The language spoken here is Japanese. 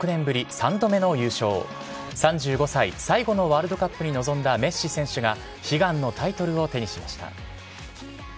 ３５歳、最後のワールドカップに臨んだメッシ選手が、悲願のタイトルを手にしました。